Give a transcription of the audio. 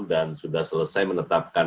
dan sudah selesai menetapkan